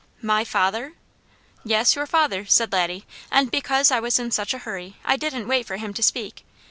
"My father?" "Yes, your father!" said Laddie. "And because I was in such a hurry, I didn't wait for him to speak.